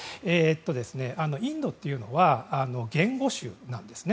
インドというのは言語州なんですね。